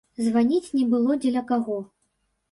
Званіць не было дзеля каго.